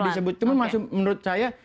disebut tapi menurut saya